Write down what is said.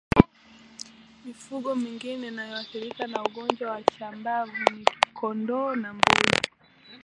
Mifugo mingine inayoathirika na ugonjwa wa chambavu ni kondoo na mbuzi